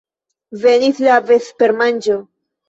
Venis la vespermanĝo.